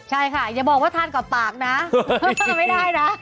ใช่ค่ะอย่าบอกว่าทานกับปากนะไม่ได้นะ